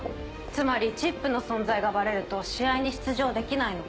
つまりチップの存在がバレると試合に出場できないの。